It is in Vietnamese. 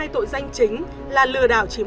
hai tội danh chính là lừa đảo chiếm